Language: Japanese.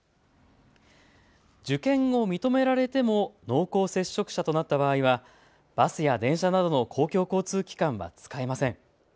受験を認められても濃厚接触者となった場合はバスや電車などの公共交通機関は使えません。